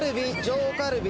上カルビ。